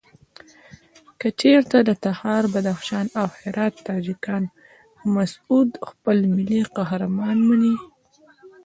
کچېرته د تخار، بدخشان او هرات تاجکان مسعود خپل ملي قهرمان مني.